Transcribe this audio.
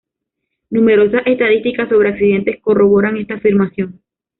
Numerosas estadísticas sobre accidentes corroboran esta afirmación.